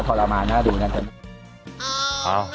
ก็ทรมานนะดูน่าจะ